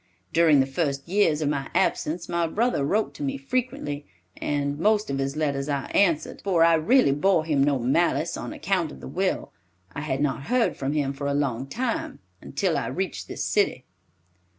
During the first years of my absence my brother wrote to me frequently, and most of his letters I answered, for I really bore him no malice on account of the will. I had not heard from him for a long time, until I reached this city."